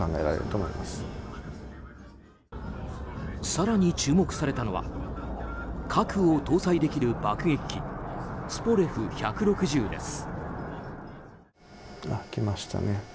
更に注目されたのは核を搭載できる爆撃機ツポレフ１６０です。